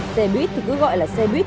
xe buýt thì cứ gọi là xe buýt